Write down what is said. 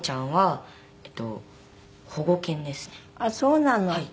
あっそうなの。